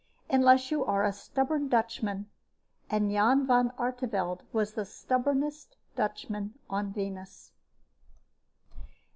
Unless you are a stubborn Dutchman and Jan Van Artevelde was the stubbornest Dutchman on Venus.